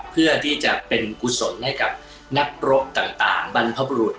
เพื่อที่จะเป็นกุศลให้กับนักรบต่างบรรพบรุษ